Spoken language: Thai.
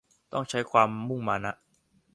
ต้องใช้ความมุมานะ